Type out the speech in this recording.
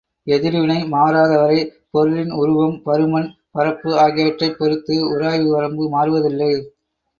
எதிர்வினை மாறாத வரை பொருளின் உருவம், பருமன், பரப்பு ஆகியவற்றைப் பொறுத்து உராய்வு வரம்பு மாறுவதில்லை.